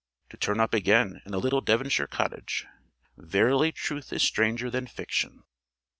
To turn up again in a little Devonshire cottage! Verily truth is stranger than fiction.